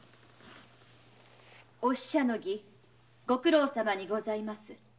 御使者の儀ご苦労さまにございます。